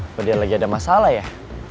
apalagi lagi ada masalah ya